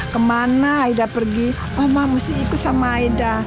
kemana aida pergi mama mesti ikut sama aida